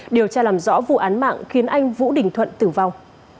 điều tra làm rõ vụ án mạng khiến anh vũ đình thuận tử vong